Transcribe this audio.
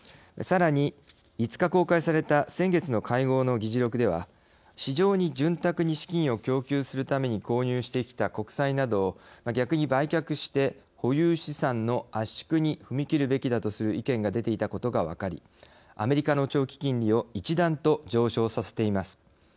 さらに５日、公開された先月の会合の議事録では市場に潤沢に資金を供給するために購入してきた国債などを逆に売却して保有資産の圧縮に踏み切るべきだとする意見が出ていたことが分かり、アメリカの長期金利を一段と上昇させています。